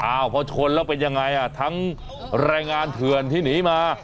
พอชนแล้วเป็นยังไงอ่ะทั้งแรงงานเถื่อนที่หนีมา